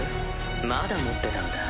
まだ持ってたんだ。